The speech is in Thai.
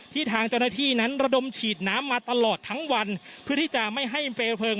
ทางเจ้าหน้าที่นั้นระดมฉีดน้ำมาตลอดทั้งวันเพื่อที่จะไม่ให้เปลวเพลิง